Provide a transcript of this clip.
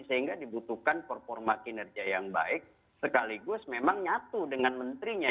sehingga dibutuhkan performa kinerja yang baik sekaligus memang nyatu dengan menterinya